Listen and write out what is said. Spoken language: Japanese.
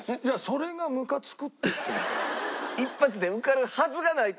それがむかつくって言ってるの。